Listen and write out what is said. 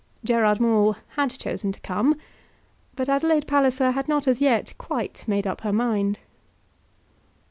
Gerard Maule had chosen to come; but Adelaide Palliser had not as yet quite made up her mind.